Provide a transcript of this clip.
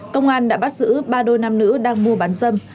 công an đã bắt giữ ba đôi nam nữ đang mua bán dâm